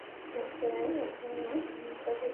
মক্কায় এখনও তাদের শত্রু আছে।